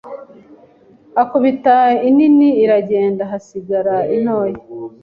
akubita inini iragenda hasigara intoya,